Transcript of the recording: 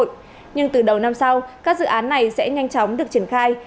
nhưng từ đầu năm sau các dự án này sẽ nhanh chóng được triển khai